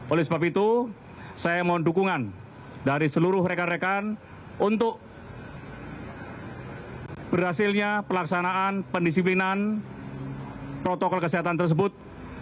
oleh sebab itu saya mohon dukungan dari seluruh rekan rekan untuk berhasilnya pelaksanaan pendisiplinan protokol kesehatan tersebut